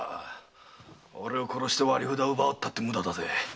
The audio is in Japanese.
俺を殺して割り札を奪おうったって無駄だぜ。